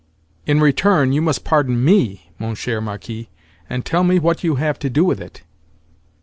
"In return you must pardon me, mon cher Marquis, and tell me what you have to do with it."